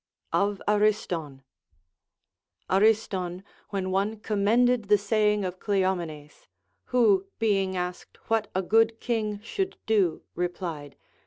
Of Ariston. Ariston, when one commended the saying of Cleomenes, — who, being asked what a good king should do, replied.